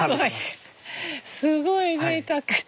すごいぜいたく。